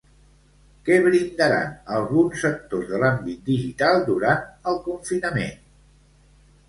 Què brindaran alguns sectors de l'àmbit digital durant el confinament?